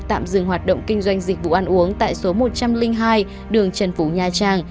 tạm dừng hoạt động kinh doanh dịch vụ ăn uống tại số một trăm linh hai đường trần phú nha trang